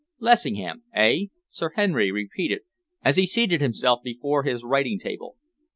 "Lessingham, eh?" Sir Henry repeated, as he seated himself before his writing table.